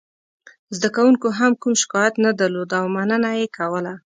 زده کوونکو هم کوم شکایت نه درلود او مننه یې کوله.